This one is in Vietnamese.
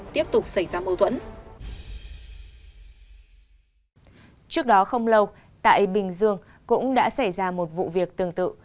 trước đó không lâu tại bình dương cũng đã xảy ra một vụ việc tương tự